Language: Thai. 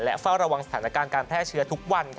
เฝ้าระวังสถานการณ์การแพร่เชื้อทุกวัน